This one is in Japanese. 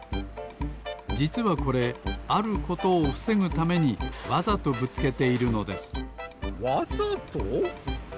じつはこれあることをふせぐためにわざとぶつけているのですわざと？